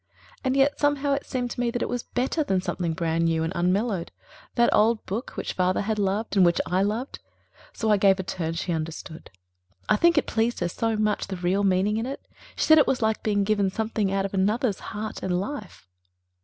And yet somehow it seemed to me that it was better than something brand new and unmellowed that old book which father had loved and which I loved. So I gave it to her, and she understood. I think it pleased her so much, the real meaning in it. She said it was like being given something out of another's heart and life.